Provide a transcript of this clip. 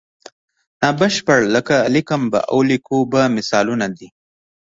نا بشپړ لکه لیکم به او لیکو به مثالونه دي.